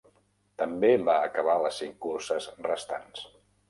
També va acabar les cinc curses restants.